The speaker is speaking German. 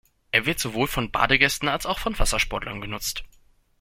Er wird sowohl von Badegästen als auch von Wassersportlern genutzt.